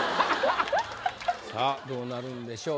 さあどうなるんでしょう？